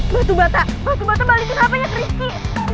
batu bata batu bata balikin hpnya tricky